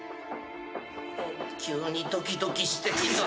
急にドキドキしてきた。